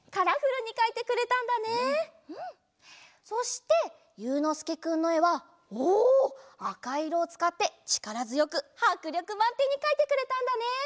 そしてゆうのすけくんのえはおあかいろをつかってちからづよくはくりょくまんてんにかいてくれたんだね！